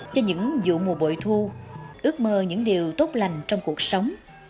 cho những vụ mùa bội thu ước mơ những điều tốt lành trong cuộc sống